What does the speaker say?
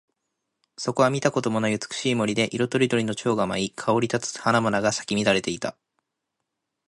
そこは見たこともない美しい森で、色とりどりの蝶が舞い、香り立つ花々が咲き乱れていた。